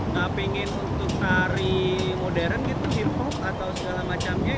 nggak pengen untuk tari modern gitu hip hop atau segala macamnya